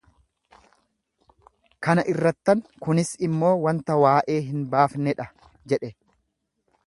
kana irrattan, Kunis immoo wanta waa'ee hin baafnee dha jedhe.